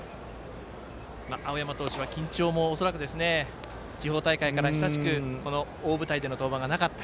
青山投手は緊張も恐らく地方大会から久しく大舞台での登板がなかった。